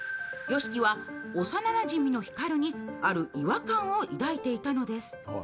よしきは、幼なじみの光にある違和感を抱いていたのです。